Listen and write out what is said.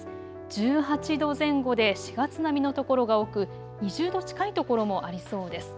１８度前後で４月並みの所が多く２０度近い所もありそうです。